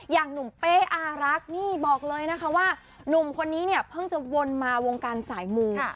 อย่างหนุ่มเป้อารักนี่บอกเลยนะคะว่าหนุ่มคนนี้เนี่ยเพิ่งจะวนมาวงการสายมู